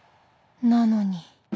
なのに